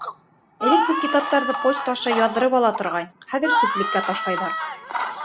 Элек беҙ китаптарҙы почта аша яҙҙырып ала торғайныҡ, хәҙер сүплеккә ташлайҙар.